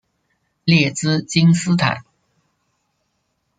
列兹金斯坦。